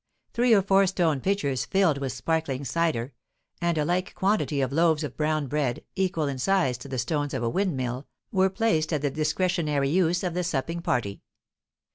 Three or four stone pitchers filled with sparkling cider, and a like quantity of loaves of brown bread, equal in size to the stones of a windmill, were placed at the discretionary use of the supping party.